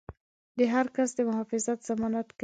د هر کس د محافظت ضمانت کوي.